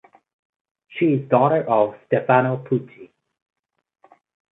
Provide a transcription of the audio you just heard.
She is daughter of Stefano Pucci.